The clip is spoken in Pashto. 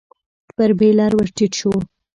پر بېلر ور ټيټ شو.